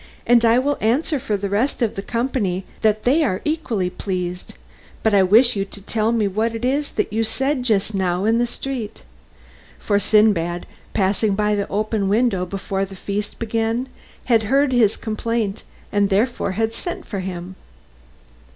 "And I will answer for the rest of the company that they are equally pleased, but I wish you to tell me what it was that you said just now in the street." For Sindbad, passing by the open window before the feast began, had heard his complaint and therefore had sent for him.